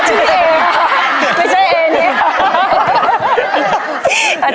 ไม่ใช่เอเนี่ยค่ะ